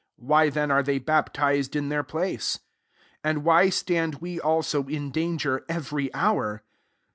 why then are they baptized in their place ?• SO And why stand we, also, in danger every hour?